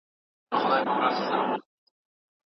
اوس یې وخت دی چې ډیجیټل شي.